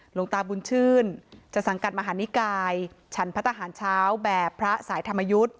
หลวงตาบุญชื่นจะสังกัดมหานิกายฉันพระทหารเช้าแบบพระสายธรรมยุทธ์